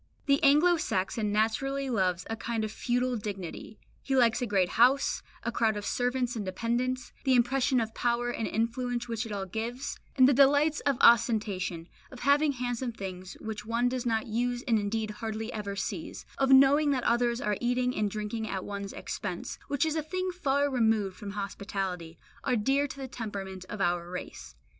The Anglo Saxon naturally loves a kind of feudal dignity; he likes a great house, a crowd of servants and dependants, the impression of power and influence which it all gives; and the delights of ostentation, of having handsome things which one does not use and indeed hardly ever sees, of knowing that others are eating and drinking at one's expense, which is a thing far removed from hospitality, are dear to the temperament of our race.